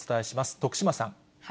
徳島さん。